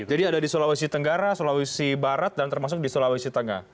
jadi ada di sulawesi tenggara sulawesi barat dan termasuk di sulawesi tengah